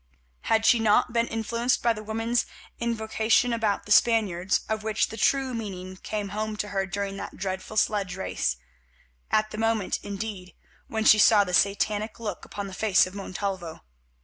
Had she not been influenced by the woman's invocation about the Spaniards, of which the true meaning came home to her during that dreadful sledge race; at the moment, indeed, when she saw the Satanic look upon the face of Montalvo?